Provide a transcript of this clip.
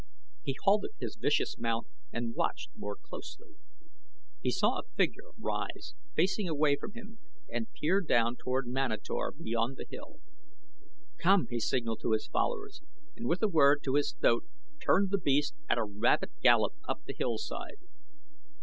He halted his vicious mount and watched more closely. He saw a figure rise facing away from him and peer down toward Manator beyond the hill. "Come!" he signalled to his followers, and with a word to his thoat turned the beast at a rapid gallop up the hillside.